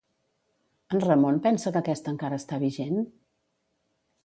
En Ramon pensa que aquesta encara està vigent?